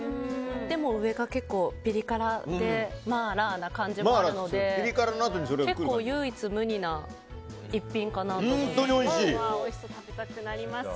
でも、上が結構ピリ辛で麻辣な感じなので結構唯一無二な一品かなと思います。